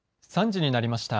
３時になりました。